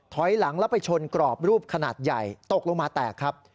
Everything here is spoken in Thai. ถอยหลังแล้วไปชนกรอบรูปขนาดใหญ่ตกลงมาแตกครับ